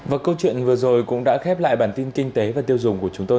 và câu chuyện vừa rồi cũng đã khép lại bản tin kinh tế và tiêu dùng của chúng tôi